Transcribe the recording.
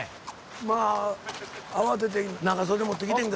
まあ慌てて長袖持ってきてんけどな。